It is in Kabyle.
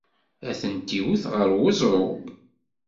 Ad ten-iwet ɣer uẓru!